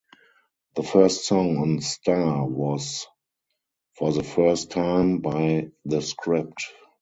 The first song on "Star" was "For the First Time" by The Script.